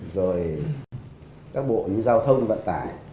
rồi các bộ như giao thông vận tải